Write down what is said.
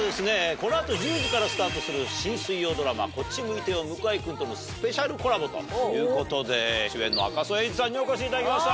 この後１０時からスタートする新水曜ドラマ『こっち向いてよ向井くん』とのスペシャルコラボということで主演の赤楚衛二さんにお越しいただきました。